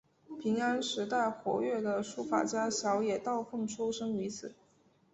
平安时代活跃的书法家小野道风出身于此。